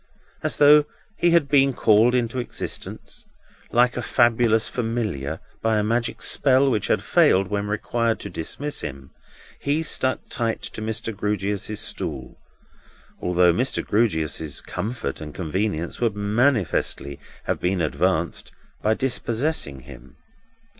As though he had been called into existence, like a fabulous Familiar, by a magic spell which had failed when required to dismiss him, he stuck tight to Mr. Grewgious's stool, although Mr. Grewgious's comfort and convenience would manifestly have been advanced by dispossessing him.